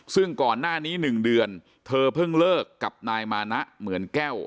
ซึ่งก่อนหน้านี้๑เดือนเธอเพิ่งเลิกกับนายมานะเหมือนแก้ว